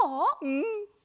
うん。